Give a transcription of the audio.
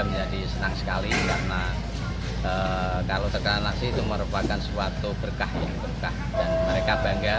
menjadi senang sekali karena kalau tekanan nasi itu merupakan suatu berkah yang berkah dan mereka bangga